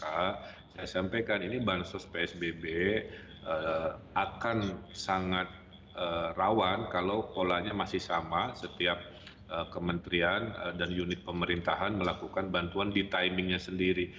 saya sampaikan ini bansos psbb akan sangat rawan kalau polanya masih sama setiap kementerian dan unit pemerintahan melakukan bantuan di timingnya sendiri